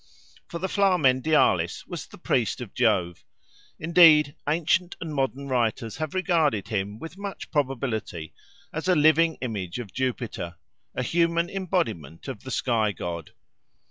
For the Flamen Dialis was the priest of Jove; indeed, ancient and modern writers have regarded him, with much probability, as a living image of Jupiter, a human embodiment of the sky god.